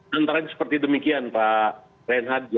ya antara seperti demikian pak renhad